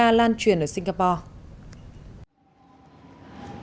virus zika lan truyền ở singapore